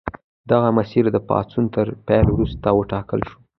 دغه مسیر د پاڅون تر پیل وروسته وټاکل شو.